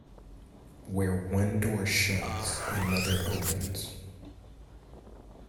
Where one door shuts, another opens.